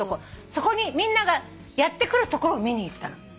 そこにみんながやって来るところを見に行ったの。